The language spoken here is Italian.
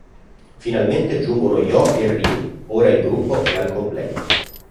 Finalmente giungono Yoh e Ryu: ora il gruppo è al completo.